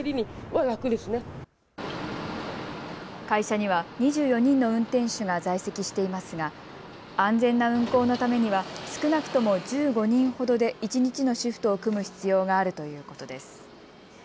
会社には２４人の運転手が在籍していますが安全な運行のためには少なくとも１５人ほどで一日のシフトを組む必要があるということです。